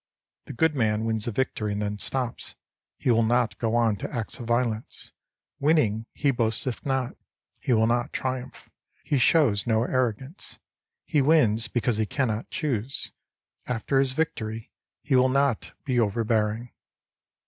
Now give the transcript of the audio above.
The good man wins a victory and then stops ; he will not go on to acts of violence. Winning, he boasteth not ; he will not triumph ; he shows no arrogance. He wins because he cannot choose ; after his victory he will not be overbearing.